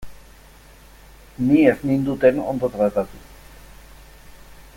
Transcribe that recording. Ni ez ninduten ondo tratatu.